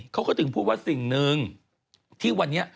เขาก็ถึงพูดว่าสิ่งหนึ่งที่วันนี้